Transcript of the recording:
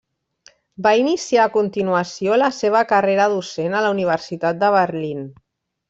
Va iniciar a continuació la seva carrera docent a la Universitat de Berlín.